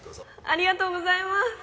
ありがとうございます！